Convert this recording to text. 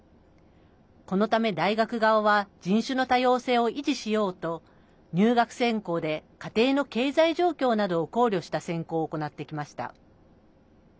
このため、大学側は人種の多様性を維持しようと入学選考で家庭の経済状況などを考慮した選考を行ってきました。